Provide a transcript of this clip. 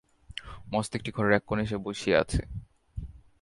মস্ত একটি ঘরের এককোণে সে বসিয়া আছে।